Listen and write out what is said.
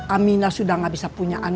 aminah sudah tidak bisa punya anak